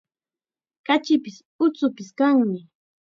Kachipis, uchupis kanmi.